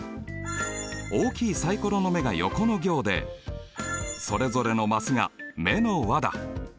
大きいサイコロの目がヨコの行でそれぞれのマスが目の和だ。